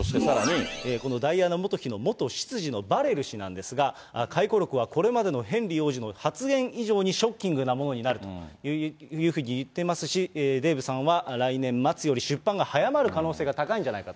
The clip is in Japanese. このダイアナ元妃の元執事のバレル氏なんですが、回顧録はこれまでのヘンリー王子の発言以上にショッキングなものになるというふうに言ってますし、デーブさんは、来年末より出版が早まる可能性が高いんじゃないかと。